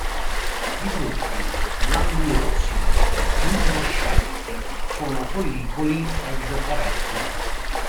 I frutti, glandulosi-plumbescenti, sono follicoli ed eretti.